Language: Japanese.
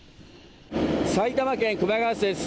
埼玉県熊谷市です。